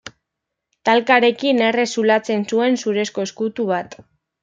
Talkarekin, errez zulatzen zuen zurezko ezkutu bat.